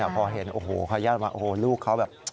พอเห็นโอ้โฮขย่อนมาโอ้โฮลูกเขาแบบ